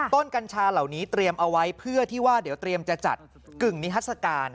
กัญชาเหล่านี้เตรียมเอาไว้เพื่อที่ว่าเดี๋ยวเตรียมจะจัดกึ่งนิทัศกาล